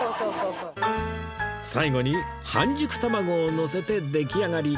最後に半熟卵をのせて出来上がり！